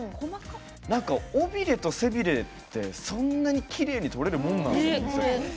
尾びれと背びれってそんなにきれいにとれるもんなんですね。